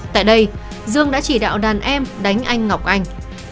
tại đây dương đã chỉ đạo đàn em đánh anh ngọc anh